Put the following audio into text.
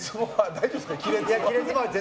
大丈夫ですか。